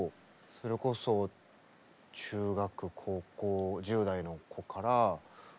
それこそ中学高校１０代の子からおじいちゃん